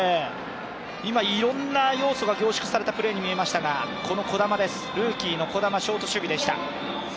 今、いろんな要素が凝縮されたプレーに見えましたがルーキーの児玉、ショート守備でした。